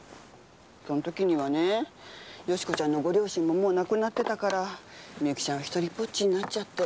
その時にはね美子ちゃんのご両親ももう亡くなってたから美雪ちゃんひとりぼっちになっちゃって。